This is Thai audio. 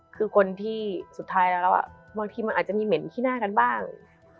คือคนที่สุดท้ายแล้วบางทีมันอาจจะมีเหม็นขี้หน้ากันบ้าง